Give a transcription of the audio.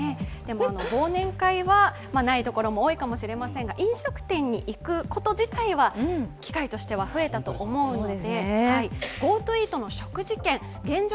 忘年会は、ないところも多いかもしれませんが、飲食店に行くこと自体は機会としては増えたと思うので。